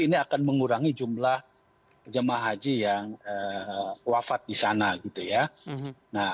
ini akan mengurangi jumlah jemaah haji yang wafat di sana